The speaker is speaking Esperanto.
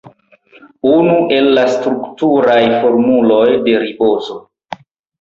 Unu el la strukturaj formuloj de ribozo.